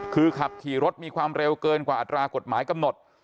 คือขับขี่รถมีความเร็วเกินกว่าอัตรากฎหมายกำหนด